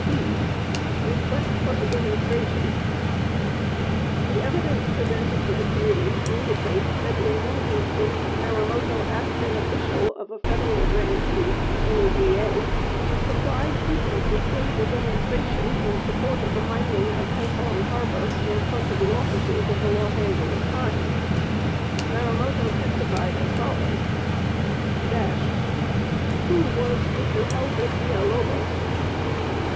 e. Request for a Demonstration The evidence presented to the committee indicates that, in one instance, Marumoto asked an official of a Federal grantee — NED A — to supply people to stage a demonstration in support of the mining of Haiphong Harbor in front of the offices of the Los Angeles Times. Marumoto testified as follows: Dash. Who was Mr. Alfred Villalobos?